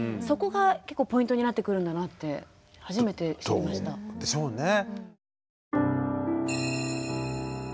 そこが結構ポイントになってくるんだなって初めて知りました。でしょうね。